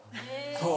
そう。